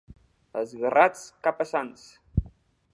Esguerrats, cap a Sants.